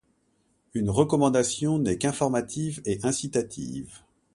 Une recommandation n'est qu’informative et incitative.